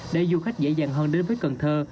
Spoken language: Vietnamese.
để du khách dễ dàng hơn đến với cần thơ